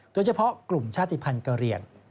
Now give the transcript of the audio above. โดยเฉพาะกลุ่มชาติภัณฑ์กะเรียน